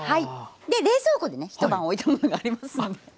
で冷蔵庫でね一晩おいたものがありますので。